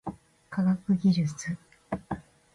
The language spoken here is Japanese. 科学技術